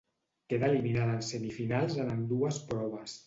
Quedà eliminada en semifinals en ambdues proves.